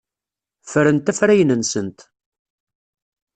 Ffrent afrayen-nsent.